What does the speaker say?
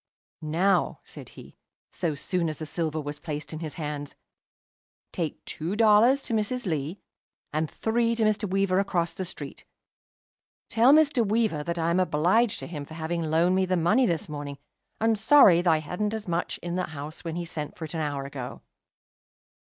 "Now," said he, so soon as the silver was placed in his hands, "take two dollars to Mrs. Lee, and three to Mr. Weaver across the street. Tell Mr. Weaver that I am obliged to him for having loaned me the money this morning, and sorry that I hadn't as much in the house when he sent for it an hour ago."